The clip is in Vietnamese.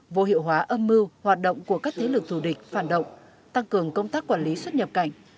vô hiệu hóa âm mưu hoạt động của các thế lực thù địch phản động tăng cường công tác quản lý xuất nhập cảnh